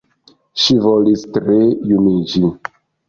Ŝi volis tre juniĝi.